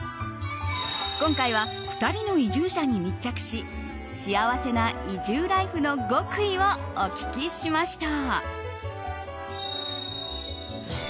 今回は２人の移住者に密着し幸せな移住ライフの極意をお聞きしました。